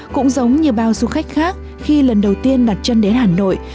cũng giống như bao du khách khác khi lần đầu tiên đặt chân đến hà nội